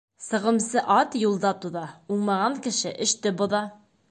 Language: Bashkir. Сығымсы ат юлда туҙа, уңмаған кеше эште боҙа.